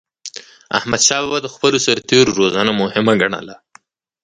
احمدشاه بابا د خپلو سرتېرو روزنه مهمه ګڼله.